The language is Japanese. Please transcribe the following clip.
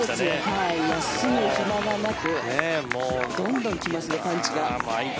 休む暇がなくどんどん来ますね、パンチが。